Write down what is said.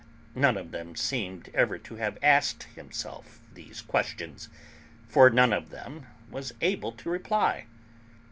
none of them seemed ever to have asked himself these questions, for none of them was able to reply.